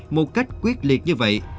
một cách quyết liệt như vậy